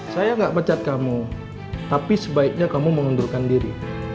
saya nggak pecat kamu tapi sebaiknya kamu mengundurkan diri